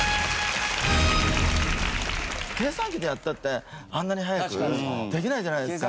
計算機でやったってあんなに速くできないじゃないですか。